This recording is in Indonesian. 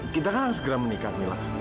kita kan harus segera menikah mila